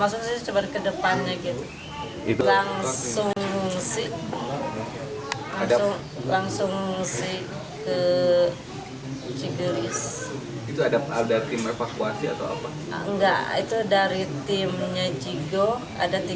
sekitar setengah sepuluh an itu tiba tiba lampu mati